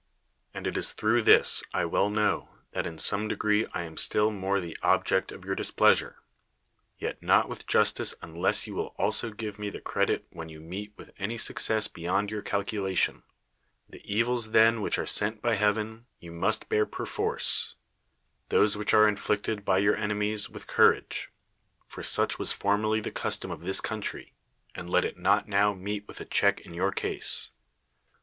And it is through this, I well know, that in some degree I am still more the object of your displeasure; j^et not with justice unless you will also give me the credit when you meet with any success beyond your calculation. The evils then which are sent by heaven, you must bear perforce ; those which are inflicted by your enemies, with courage: for such was formerly the custom of this country, and let it not now meet with a check in your case.